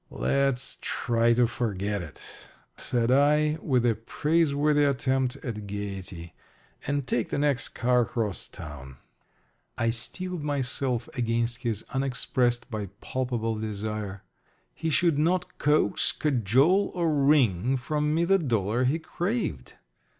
"Let's try to forget it," said I, with a praiseworthy attempt at gayety, "and take the next car 'cross town." I steeled myself against his unexpressed but palpable desire. He should not coax, cajole, or wring from me the dollar he craved.